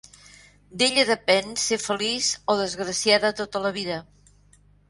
D'ella depèn ser feliç o desgraciada tota la vida;